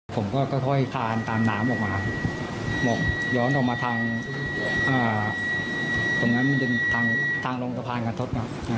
ผมก็ค่อยขานตามน้ำออกมาย้อนออกมาทางลงตภัณฑ์กันทศ